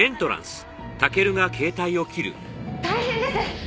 大変です！